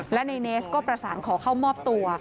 และในเนสก็ประสานขอเข้ามอบตัว